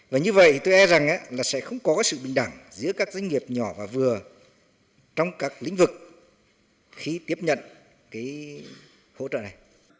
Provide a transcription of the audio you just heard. và như vậy tôi e rằng là sẽ không có sự bình đẳng giữa các doanh nghiệp nhỏ và vừa trong các lĩnh vực khi tiếp nhận cái hỗ trợ này